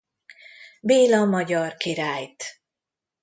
Béla magyar királyt.